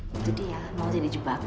itu dia maudie di jebak